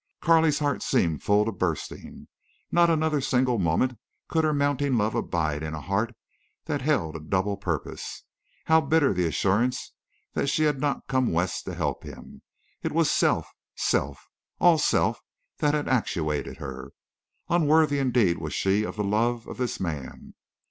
Carley's heart seemed full to bursting. Not another single moment could her mounting love abide in a heart that held a double purpose. How bitter the assurance that she had not come West to help him! It was self, self, all self that had actuated her. Unworthy indeed was she of the love of this man.